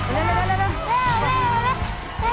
เร็ว